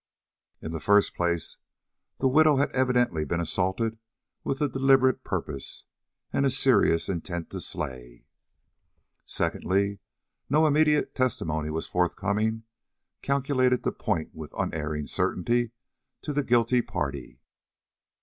In the first place, the widow had evidently been assaulted with a deliberate purpose and a serious intent to slay. Secondly, no immediate testimony was forthcoming calculated to point with unerring certainty to the guilty party.